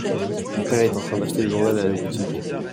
Mon père est en train d'acheter le journal à la boutique.